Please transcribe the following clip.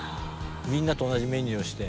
みんなと同じメニューをして。